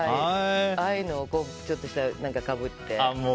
ああいうのをちょっとしたかぶって。